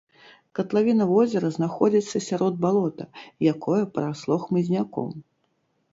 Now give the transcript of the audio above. Катлавіна возера знаходзіцца сярод балота, якое парасло хмызняком.